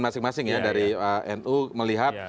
masing masing ya dari nu melihat